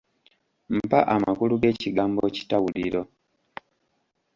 Mpa amakulu g'ekigambo kitawuliro?